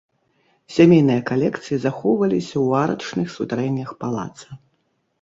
Сямейныя калекцыі захоўваліся ў арачных сутарэннях палаца.